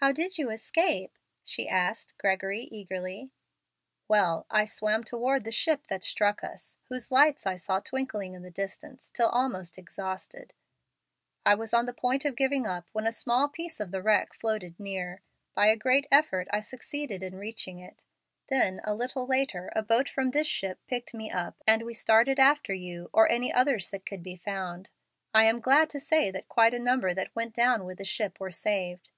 "How did you escape?" she asked Gregory, eagerly. "Well, I swam toward the ship that struck us, whose lights I saw twinkling in the distance, till almost exhausted. I was on the point of giving up, when a small piece of the wreck floated near. By a great effort I succeeded in reaching it. Then a little later a boat from this ship picked me up and we started after you or any others that could be found. I am glad to say that quite a number that went down with the ship were saved."